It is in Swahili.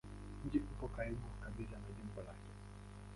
Mji upo karibu kabisa na jimbo lake.